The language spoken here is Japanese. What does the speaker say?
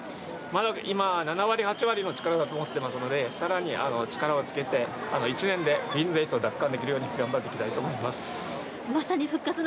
まだ、今７８割くらいの力だと思っていますので更に力をつけて、１年でクイーンズ８を奪還できるように頑張っていきたいと思います。